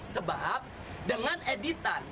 sebab dengan editan